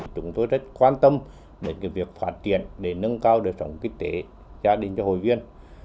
chúng tôi rất quan tâm đến việc phát triển để nâng cao đời sống kinh tế gia đình cho hội viên